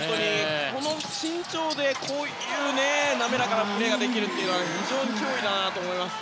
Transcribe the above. この身長で、滑らかなプレーができるというのは非常に脅威だなと思います。